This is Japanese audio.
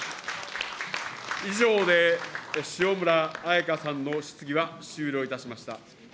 以上で、塩村あやかさんの質疑は終了いたしました。